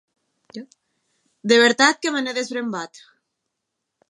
De vertat que me n’è desbrembat.